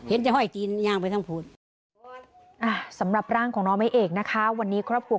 เห็นเราเห้าไขมัยรกขังไปทั้งพูด